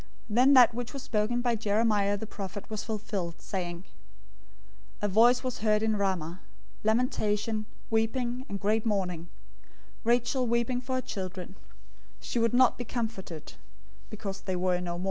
002:017 Then that which was spoken by Jeremiah the prophet was fulfilled, saying, 002:018 "A voice was heard in Ramah, lamentation, weeping and great mourning, Rachel weeping for her children; she wouldn't be comforted, because they are no more."